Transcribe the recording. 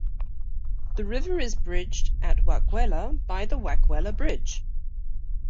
The river is bridged at Wakwella by the Wakwella Bridge.